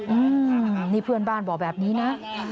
อืมนี่เพื่อนบ้านบอกแบบนี้นะ